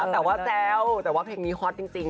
แต่ว่าแซวแต่ว่าเพลงนี้ฮอตจริง